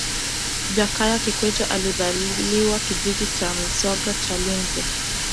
jakaya kikwete alizaliwa kijiji cha msoga chalinze